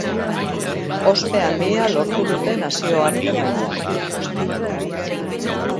Ospe handia lortu dute nazioarte mailan.